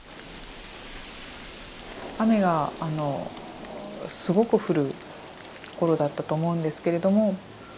雨がすごく降る頃だったと思うんですけれども。